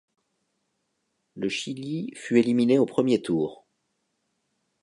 Le Chili fut éliminé au premier tour.